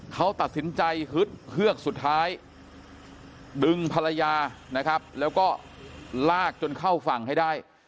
เขาตัดสินใจฮึดเฮือกสุดท้ายดึงภรรยานะครับแล้วก็ลากจนเข้าฝั่งให้ได้